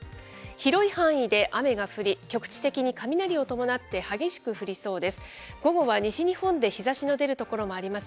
広い範囲で雨が降り、局地的に雷を伴って激しく降りそうです。